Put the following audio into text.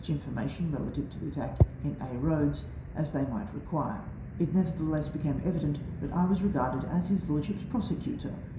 3 information relative to the attack in Aix Eoacls as they might require*; — it nevertheless became evident that I was regardetl as liis lordship's prosecutor!